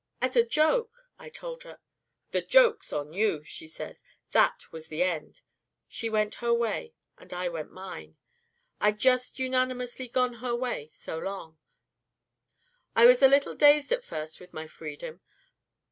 'As a joke,' I told her. 'The joke's on you,' she says. That was the end. She went her way, and I went mine. I'd just unanimously gone her way so long, I was a little dazed at first with my freedom.